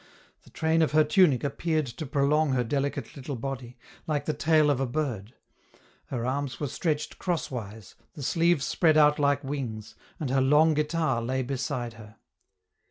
The train of her tunic appeared to prolong her delicate little body, like the tail of a bird; her arms were stretched crosswise, the sleeves spread out like wings, and her long guitar lay beside her.